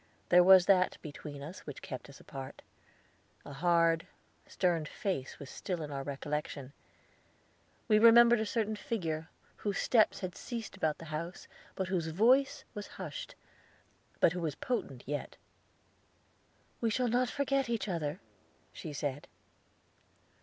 There was that between us which kept us apart. A hard, stern face was still in our recollection. We remembered a certain figure, whose steps had ceased about the house, whose voice was hushed, but who was potent yet. "We shall not forget each other," she said.